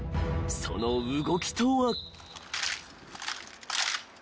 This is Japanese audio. ［その動きとは］